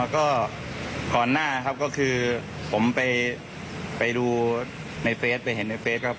ก็ก่อนหน้าครับก็คือผมไปดูในเฟสไปเห็นในเฟสครับ